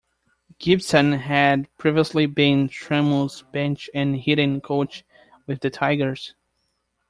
Gibson had previously been Trammell's bench and hitting coach with the Tigers.